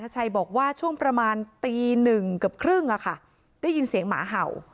ชัยบอกว่าช่วงประมาณตีหนึ่งเกือบครึ่งอะค่ะได้ยินเสียงหมาเห่า